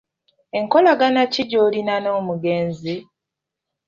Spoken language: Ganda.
Enkolagana ki gy'olina n'omugenzi?